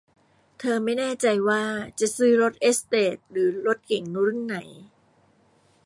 เธอไม่แน่ใจว่าจะซื้อรถเอสเตทหรือรถเก๋งรุ่นไหน